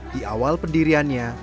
di awal pendiriannya